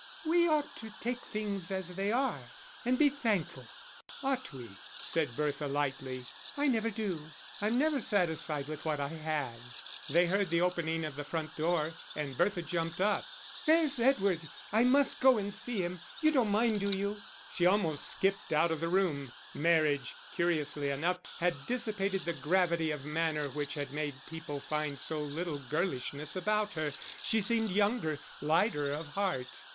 "We ought to take things as they are, and be thankful." "Ought we?" said Bertha lightly, "I never do.... I'm never satisfied with what I have." They heard the opening of the front door and Bertha jumped up. "There's Edward! I must go and see him. You don't mind, do you?" She almost skipped out of the room; marriage, curiously enough, had dissipated the gravity of manner which had made people find so little girlishness about her. She seemed younger, lighter of heart.